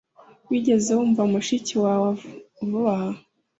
Wigeze wumva mushiki wawe vuba aha